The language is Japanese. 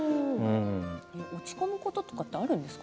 落ち込むことってあるんですか？